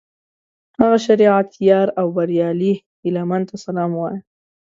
هغه شریعت یار او بریالي هلمند ته سلام وایه.